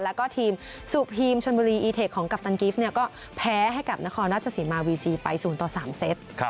แล้วก็ทีมสูบทีมชนบุรีอีเทคของกัปตันกิฟต์ก็แพ้ให้กับนครราชสีมาวีซีไป๐ต่อ๓เซต